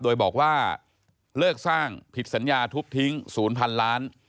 โดยบอกว่าเลิกสร้างผิดสัญญาทุบทิ้ง๐๐ล้าน